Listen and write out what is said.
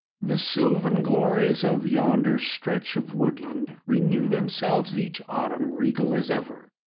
The sylvan glories of yonder stretch of woodland renew themselves each autumn, regal as ever.